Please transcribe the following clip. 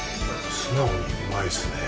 素直に、うまいですねえ。